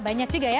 banyak juga ya